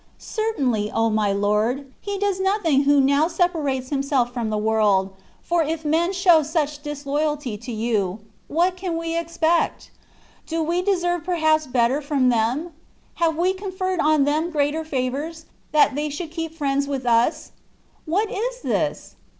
Certainly, O my Lord ! he does nothing who now separates him ;♦ THE WAY OP PEEFECTION. Delf from the world ; for if men show such dis loyalty to You, what can we expect? Do we deserve perhaps better from them? Have we conferred on them greater favours, that they should keep friends with us? What is this?